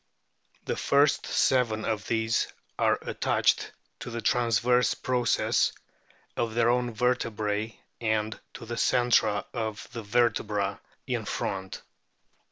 The first seven of these are attached to the transverse process of their own vertebrae and to the centra of the vertebra in front.